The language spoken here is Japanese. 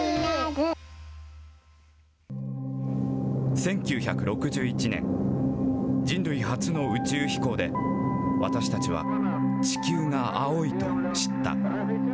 １９６１年、人類初の宇宙飛行で、私たちは地球が青いと知った。